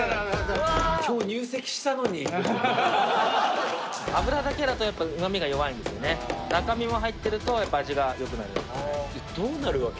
今日入籍したのに脂だけだとやっぱ旨味が弱いんですよね赤身も入ってるとやっぱ味がよくなるどうなるわけ？